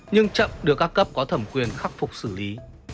nhưng chậm được các cấp có thẩm quyền khắc phục xử lý